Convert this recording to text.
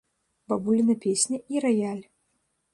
Бабуліна песня і раяль.